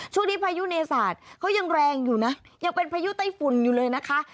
พายุเนศาสตร์เขายังแรงอยู่นะยังเป็นพายุไต้ฝุ่นอยู่เลยนะคะ